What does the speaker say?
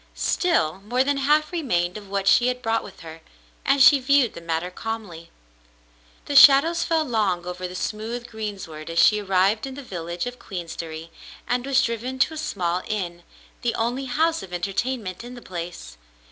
Still, more than half remained of what she had brought with her, and she viewed the matter calmly. The shadows fell long over the smooth greensward as she arrived in the village of Queensderry and was driven to a small inn, the only house of entertainment in the place.